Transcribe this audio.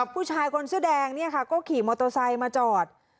ผู้ชายคนเสื้อแดงเนี่ยค่ะก็ขี่มอเตอร์ไซค์มาจอด